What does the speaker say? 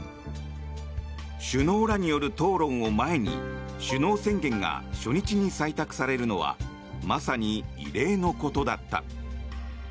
首脳らによる討論を前に首脳宣言が初日に採択されるのはまさに異例のことだった。